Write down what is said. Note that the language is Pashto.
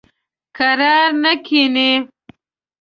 کرار نه کیني.